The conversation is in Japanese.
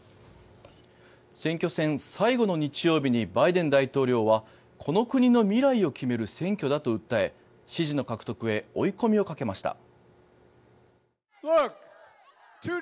選挙戦最後の日曜日にバイデン大統領はこの国の未来を決める選挙だと訴え支持の獲得へ追い込みをかけました。